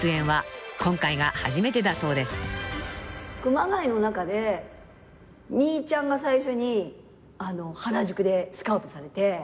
熊谷の中でみーちゃんが最初に原宿でスカウトされて。